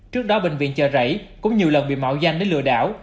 trước đó bệnh viện chờ rảy cũng nhiều lần bị mạo danh đến lừa đảo